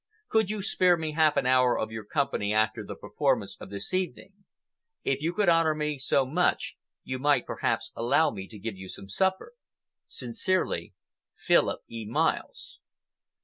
Could you spare me half an hour of your company after the performance of this evening? If you could honor me so much, you might perhaps allow me to give you some supper. Sincerely, PHILIP E. MILES.